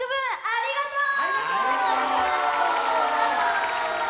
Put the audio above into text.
ありがとう！